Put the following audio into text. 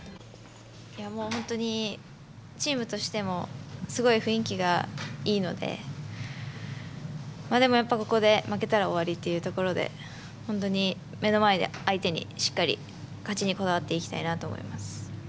チームとしてもすごい雰囲気がいいのででも、やっぱり、ここで負けたら終わりってことで本当に目の前で相手にしっかり、勝ちにこだわっていきたいなと思います。